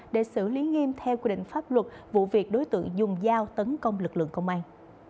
để xử lý nghiêm theo quy định pháp luật vụ việc đối tượng dùng dao tấn công lực lượng công an